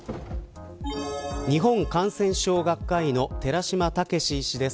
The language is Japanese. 日本感染症学会医の寺嶋毅医師です。